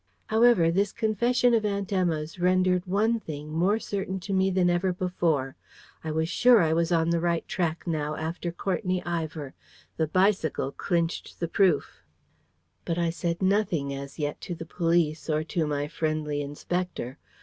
However, this confession of Aunt Emma's rendered one thing more certain to me than ever before. I was sure I was on the right track now, after Courtenay Ivor. The bicycle clinched the proof. But I said nothing as yet to the police, or to my friendly Inspector.